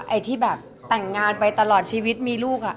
ไอ้ที่แบบแต่งงานไปตลอดชีวิตมีลูก